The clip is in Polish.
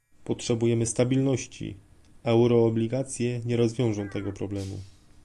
Potrzebujemy stabilności, a euroobligacje nie rozwiążą tego problemu